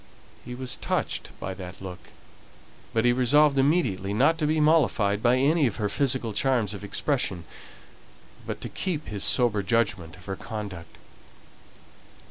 He was touched by that look, but he resolved immediately not to be mollified by any of her physical charms of expression, but to keep to his sober judgment of her conduct.